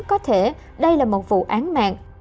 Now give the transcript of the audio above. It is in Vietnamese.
có thể đây là một vụ án mạng